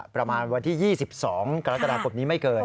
ประมาณวันที่๒๒กรกฎาคมนี้ไม่เกิน